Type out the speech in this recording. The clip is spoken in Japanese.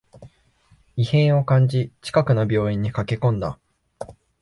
異変を感じ、近くの病院に駆けこんだ